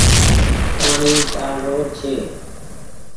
پآڻيٚ چآل رو ڇي۔